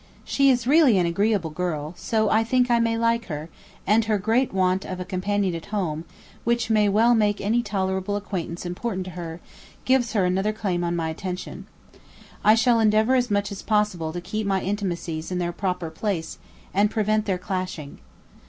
She is really an agreeable girl, so I think I may like her; and her great want of a companion at home, which may well make any tolerable acquaintance important to her, gives her another claim on my attention. I shall endeavour as much as possible to keep my intimacies in their proper place, and prevent their clashing.